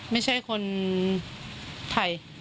ไม่ใช่คนไทย